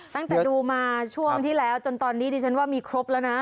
ตั้งแต่ดูมาช่วงที่แล้วจนตอนนี้ดิฉันว่ามีครบแล้วนะ